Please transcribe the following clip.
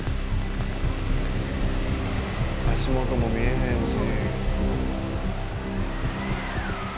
「足元も見えへんし」